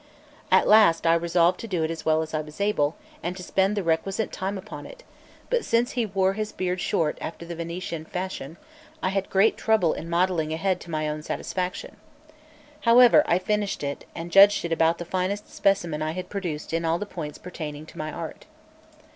At last I resolved to do it as well as I was able, and to spend the requisite time upon it; but since he wore his beard short after the Venetian fashion, I had great trouble in modelling a head to my own satisfaction. However, I finished it, and judged it about the finest specimen I had produced in all the points pertaining to my art.